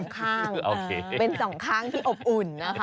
ข้างเป็น๒ข้างที่อบอุ่นนะคะ